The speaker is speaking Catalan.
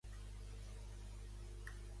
Què és el Rigveda?